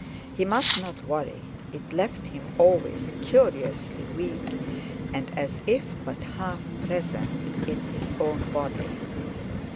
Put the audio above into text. He must not worry, it left him always curiously weak, and as if but half present in his own body.